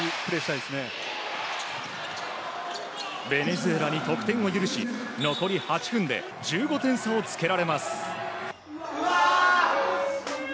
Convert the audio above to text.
ベネズエラに得点を許し残り８分で１５点差をつけられます。